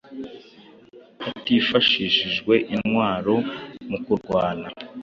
hatifashishijwe intwaro mukurwana